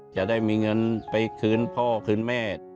จะได้มีเงินไปคืนพ่อคืนแม่